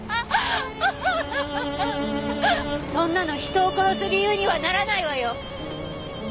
そんなの人を殺す理由にはならないわよ！